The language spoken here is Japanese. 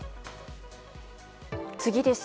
次です。